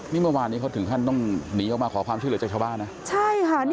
เมื่อวานนี้เขาถึงท่านต้องหนีออกมาขอความชื่อเหลือจากชาวบ้านนะ